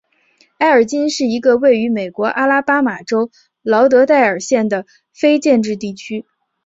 埃尔金是一个位于美国阿拉巴马州劳德代尔县的非建制地区。